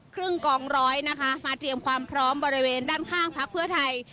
ครึ่งกองร้อยนะคะมาเตรียมความพร้อมบริเวณด้านข้างพักเพื่อไทย